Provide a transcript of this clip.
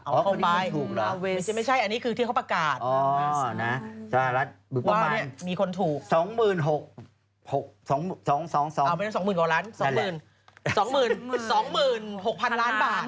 เอาเข้าไปไม่ใช่อันนี้คือที่เขาประกาศสหรัฐประมาณ๒หมื่น๖พันล้านบาท